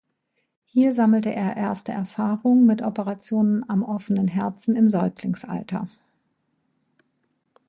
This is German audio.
Hier sammelte er erste Erfahrungen mit Operationen am offenen Herzen im Säuglingsalter.